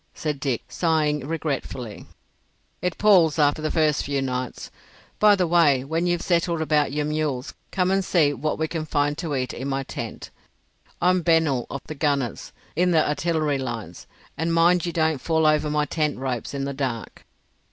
said Dick, sighing regretfully. "It palls after the first few nights. By the way, when you've settled about your mules, come and see what we can find to eat in my tent. I'm Bennil of the Gunners—in the artillery lines—and mind you don't fall over my tent ropes in the dark."